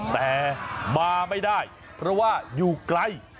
แต่มาไม่ได้เพราะว่าอยู่ไกล